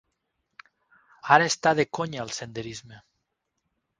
Ara està de conya el senderisme.